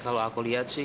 kalau aku liat sih